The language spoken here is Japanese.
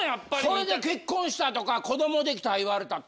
それで結婚したとか子ども出来た言われたって。